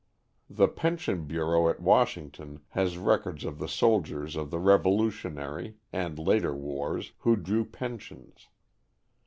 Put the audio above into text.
The Pension Bureau at Washington has records of the soldiers of the Revolutionary and later wars who drew pensions.